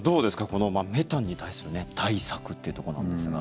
このメタンに対する対策っていうところなんですが。